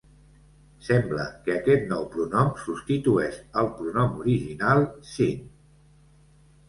Sembla que aquest nou pronom substitueix el pronom original "sinn".